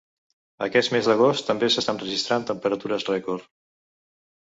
Aquest mes d’agost també s’estan registrant temperatures rècord.